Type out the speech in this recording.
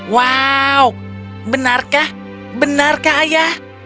wow benarkah benarkah ayah